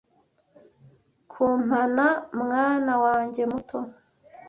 kumpana mwana wanjye muto